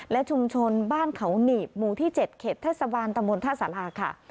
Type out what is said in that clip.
และชุมชนบ้านเขาหนีบหมู่ที่๗เขตเทศบาลตะมนต์ท่าสาราค่ะ